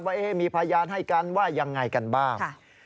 ว่ามีพยานให้กันว่ายังไงกันบ้าง